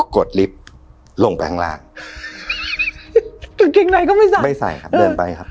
กดลิฟต์ลงไปข้างล่างกางเกงในก็ไม่ใส่ไม่ใส่ครับเดินไปครับ